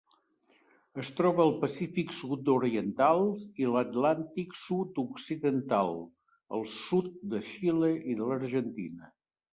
Es troba al Pacífic sud-oriental i l'Atlàntic sud-occidental: el sud de Xile i de l'Argentina.